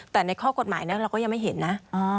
แต่ในข้อกฎหมายเราก็ยังไม่เห็นนะ